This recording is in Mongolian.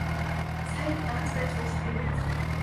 Саяд ганц байж болох юм биз.